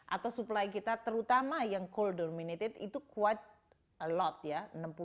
atau supply kita terutama yang coal dominated itu quite a lot ya